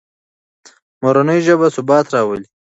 مورنۍ ژبه ثبات راولي.